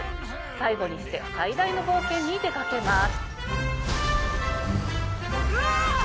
最後にして最大の冒険に出かけます。